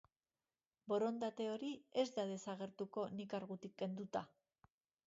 Borondate hori ez da desagertuko ni kargutik kenduta.